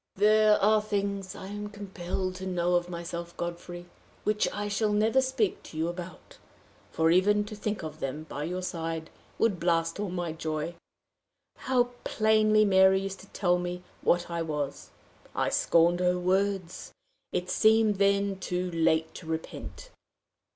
"There are things I am compelled to know of myself, Godfrey, which I shall never speak to you about, for even to think of them by your side would blast all my joy. How plainly Mary used to tell me what I was! I scorned her words! It seemed, then, too late to repent.